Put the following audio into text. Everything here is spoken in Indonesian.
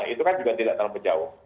itu kan juga tidak terlalu jauh